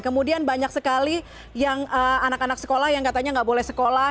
kemudian banyak sekali yang anak anak sekolah yang katanya nggak boleh sekolah